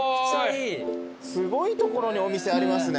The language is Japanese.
すごい所にお店ありますね。